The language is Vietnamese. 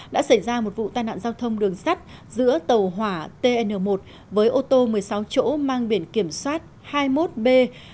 đã xảy ra một vụ tai nạn giao thông đường sắt giữa tàu hỏa tn một với ô tô một mươi sáu chỗ mang biển kiểm soát hai mươi một b năm trăm chín mươi hai